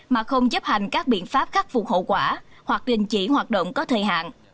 mà không chấp hành các biện pháp khắc phục hậu quả hoặc đình chỉ hoạt động có thời hạn